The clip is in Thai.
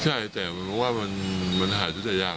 ใช่แต่ว่ามันหายทุกอย่าง